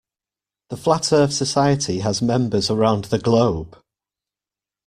The Flat Earth Society has members around the globe.